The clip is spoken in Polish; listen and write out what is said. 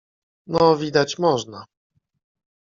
No widać można.